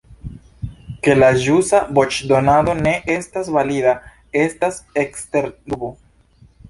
Ke la ĵusa voĉdonado ne estas valida, estas ekster dubo.